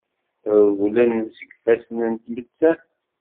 Rewlen seg ifassen n tmettant.